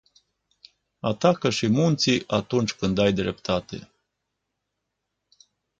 Atacă și munții atunci când ai dreptate.